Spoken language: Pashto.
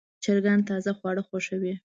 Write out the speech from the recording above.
چرګان تازه خواړه خوښوي.